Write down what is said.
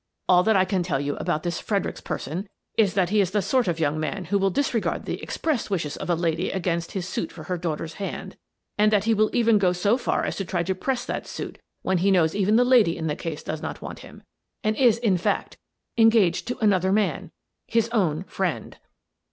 All that I can tell you about this Fredericks person is that he is the sort of a young man who will dis regard the expressed wishes of a lady against his suit for her daughter's hand, and that he will even go so far as to try to press that suit when he knows even the lady in the case does not want him, and is, in fact, engaged to another man — his own friend."